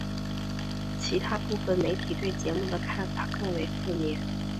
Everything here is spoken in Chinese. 其它部分媒体对节目的看法更为负面。